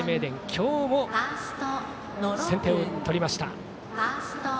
今日も先手を取りました。